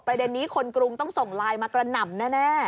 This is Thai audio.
ประเด็นนี้คนกรุงต้องส่งไลน์มากระหน่ำแน่